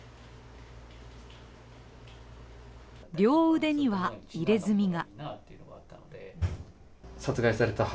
両腕には、入れ墨が。